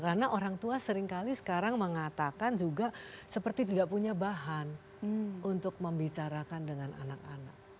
karena orang tua seringkali sekarang mengatakan juga seperti tidak punya bahan untuk membicarakan dengan anak anak